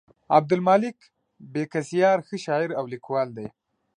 عبدالمالک بېکسیار ښه شاعر او لیکوال دی.